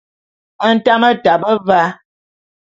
Ntame tabe va.